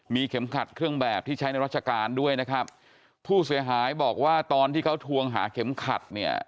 มีเข็มขัดเครื่องแบบที่ใช้ในราชการด้วยนะครับผู้เสียหายบอกว่าตอนที่เขาทวงหาเข็มขัดเนี่ย